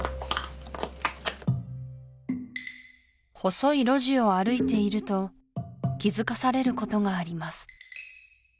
細い路地を歩いていると気づかされることがあります